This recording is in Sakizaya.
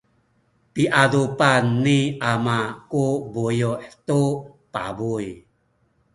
piadupan ni ama ku buyu’ tu pabuy.